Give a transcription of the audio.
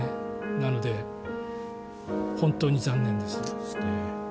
なので、本当に残念です。